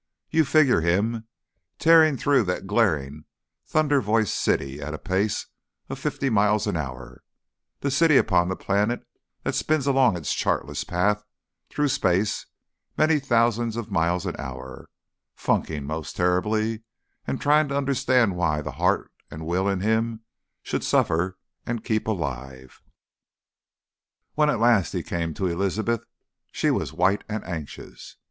You figure him, tearing through the glaring, thunder voiced city at a pace of fifty miles an hour, the city upon the planet that spins along its chartless path through space many thousands of miles an hour, funking most terribly, and trying to understand why the heart and will in him should suffer and keep alive. When at last he came to Elizabeth, she was white and anxious.